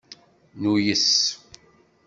Nuyes.